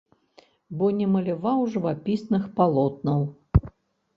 Бо не маляваў жывапісных палотнаў.